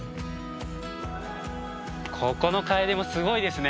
ここのカエデもすごいですね。